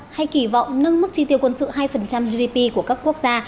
hay kỳ vọng nâng mức chi tiêu quân sự hai gdp của các quốc gia